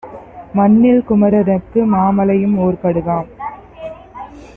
மண்ணில் குமரருக்கு மாமலையும் ஓர்கடுகாம்.